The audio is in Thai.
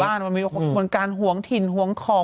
มันมีการหวงถิ่นหวงของ